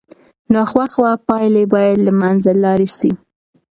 ناخوښه پایلې باید له منځه لاړې سي.